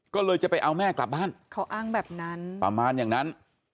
ก็เลยจะไปเอาแม่กลับบ้านเขาอ้างแบบนั้นประมาณอย่างนั้น